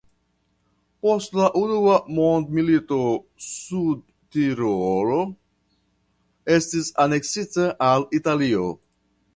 Post la Unua Mondmilito Sudtirolo estis aneksita al Italio.